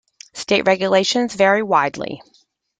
State regulations vary widely.